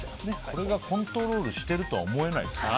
これがコントロールしてるとは思えないです。